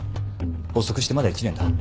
発足してまだ１年だ。